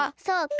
そう。